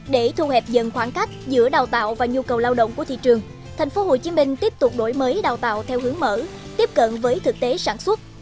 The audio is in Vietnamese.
để thu hẹp dần khoảng cách giữa đào tạo và nhu cầu lao động của thị trường thành phố hồ chí minh tiếp tục đổi mới đào tạo theo hướng mở tiếp cận với thực tế sản xuất